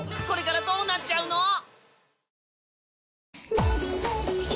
これからどうなっちゃうの！？